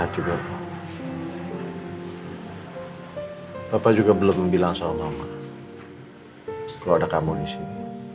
aku belum bilang sama mama kalau ada kamu disini